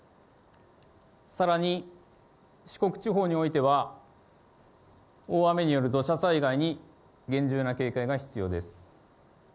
さらに四国地方においては、大雨による土砂災害に厳重な警戒が必要です。